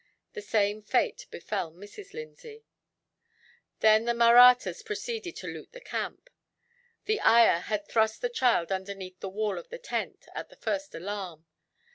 The same fate befell Mrs. Lindsay. Then the Mahrattas proceeded to loot the camp. The ayah had thrust the child underneath the wall of the tent, at the first alarm.